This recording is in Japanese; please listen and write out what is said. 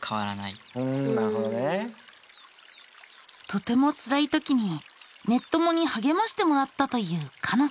とてもつらいときにネッ友にはげましてもらったというかの。